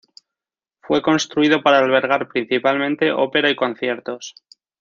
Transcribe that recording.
Fue construido para albergar principalmente ópera y conciertos.